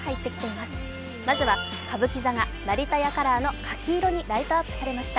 まずは、歌舞伎座が成田屋カラーの柿色にライトアップされました。